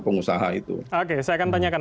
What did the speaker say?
pengusaha itu oke saya akan tanyakan